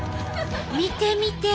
見てみて！